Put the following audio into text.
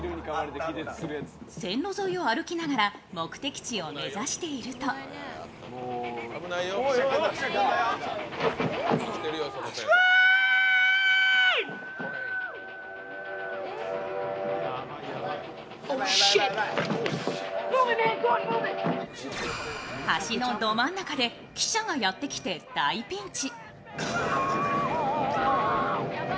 線路沿いを歩きながら目的地を目指していると橋のど真ん中で汽車がやって来て大ピンチ。